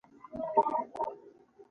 هغوی په خوښ لمر کې پر بل باندې ژمن شول.